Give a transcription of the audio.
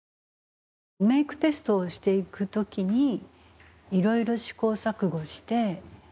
メークテストをしていく時にいろいろ試行錯誤してやっていきましたね。